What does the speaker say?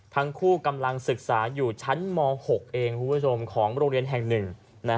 ทั้งคู่กำลังศึกษาอยู่ชั้นม๖เองคุณผู้ชมของโรงเรียนแห่งหนึ่ง